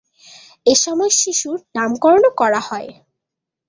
এ সময় শিশুর নামকরণও করা হয়।